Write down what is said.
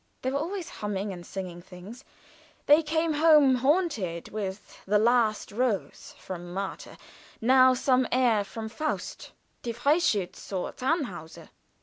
They were always humming and singing things. They came home haunted with "The Last Rose," from "Marta" now some air from "Faust," "Der Freischütz," or "Tannhauser."